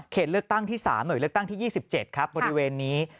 เลือกตั้งที่๓หน่วยเลือกตั้งที่๒๗ครับบริเวณนี้